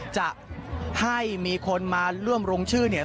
จะให้มีคนมาร่วมลงชื่อเนี่ย